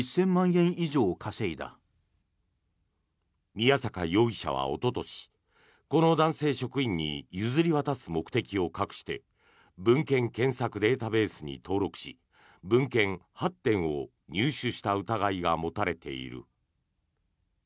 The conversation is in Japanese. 宮坂容疑者は、おととしこの男性職員に譲り渡す目的を隠して文献検索データベースに登録し文献８点を入手した疑いが持たれている。